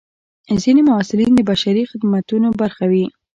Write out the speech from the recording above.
ځینې محصلین د بشري خدمتونو برخه وي.